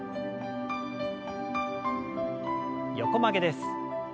横曲げです。